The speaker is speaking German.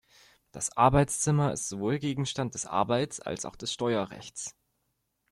Das Arbeitszimmer ist sowohl Gegenstand des Arbeits- als auch des Steuerrechts.